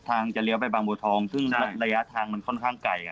จะเลี้ยวไปบางบัวทองซึ่งระยะทางมันค่อนข้างไกล